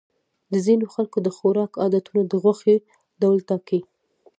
د ځینو خلکو د خوراک عادتونه د غوښې ډول ټاکي.